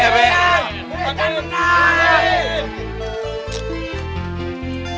kamu berangkat kemana be